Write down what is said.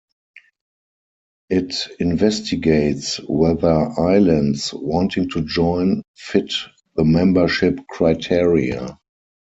It investigates whether islands wanting to join fit the membership criteria.